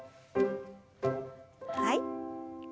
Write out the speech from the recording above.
はい。